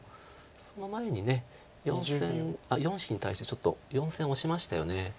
その前に４子に対してちょっと４線オシましたよね。